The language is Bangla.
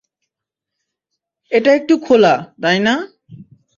এটা একটু খোলা, তাই না?